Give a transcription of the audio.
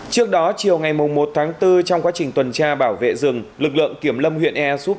trước đó chiều ngày một bốn trong quá trình tuần tra bảo vệ rừng lực lượng kiểm lâm huyện e soup